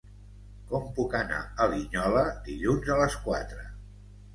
Com puc anar a Linyola dilluns a les quatre?